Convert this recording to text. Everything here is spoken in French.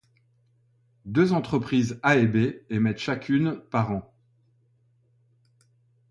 Deux entreprises A et B émettent chacune par an.